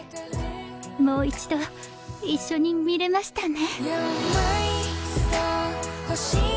もう一度一緒に見れましたね。